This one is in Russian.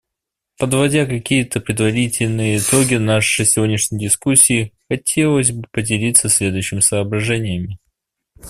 Подводя какие-то предварительные итоги нашей сегодняшней дискуссии, хотелось бы поделиться следующими соображениями.